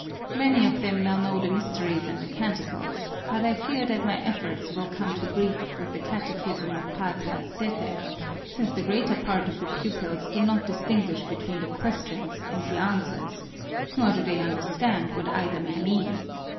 Many of them now know the mysteries and the canticles, but I fear that my efforts will come to grief with the Catechism of Padre Astete, since the greater part of the pupils do not distinguish between the questions and the answers, nor do they understand what either may mean.